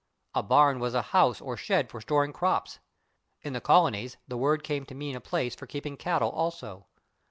A /barn/ was a house or shed for storing crops; in the colonies the word came to mean a place for keeping cattle also.